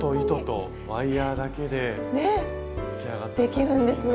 ねできるんですね！